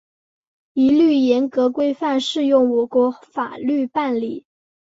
一律严格、规范适用我国法律办理